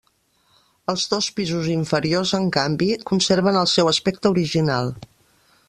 Els dos pisos inferiors, en canvi, conserven el seu aspecte original.